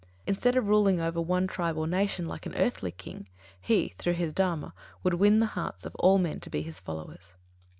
Instead of ruling over one tribe or nation, like an earthly king, he, through his Dharma, would win the hearts of all men to be his followers.